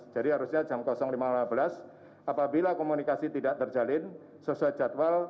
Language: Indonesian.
jadi harusnya jam lima lima belas apabila komunikasi tidak terjalin sesuai jadwal